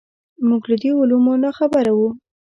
موږ له دې علومو ناخبره وو.